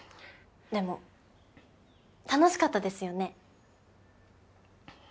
でも楽しかったですよね。